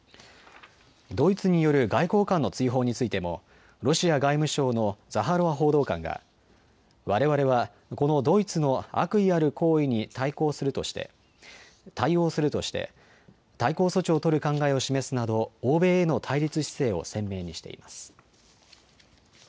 ドイツによる外交官の追放についてもロシア外務省のザハロワ報道官が、われわれはこのドイツの悪意ある行為に対応するとして対抗措置を取る考えを示すなど欧米への対立姿勢を鮮明にしています。